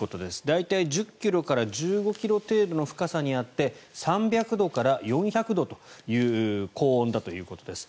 大体１０ｋｍから１５ｋｍ程度の深さにあって３００度から４００度という高温だということです。